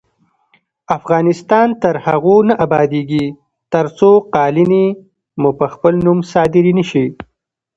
افغانستان تر هغو نه ابادیږي، ترڅو قالینې مو په خپل نوم صادرې نشي.